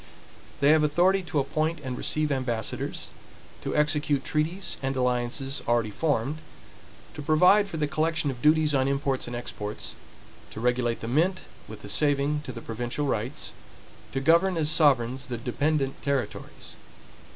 They have authority to appoint and receive ambassadors; to execute treaties and alliances already formed; to provide for the collection of duties on imports and exports; to regulate the mint, with a saving to the provincial rights; to govern as sovereigns the dependent territories.